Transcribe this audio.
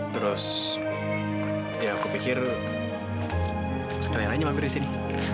terus ya aku pikir sekalian aja mampir di sini